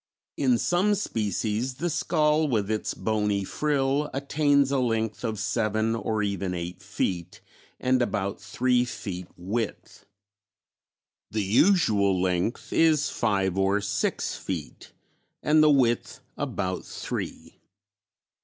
In some species the skull with its bony frill attains a length of seven or even eight feet and about three feet width; the usual length is five or six feet and the width about three.